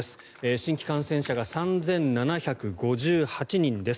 新規感染者が３７５８人です。